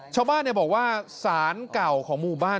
ชาวบ้านบอกว่าสารเก่าของหมู่บ้าน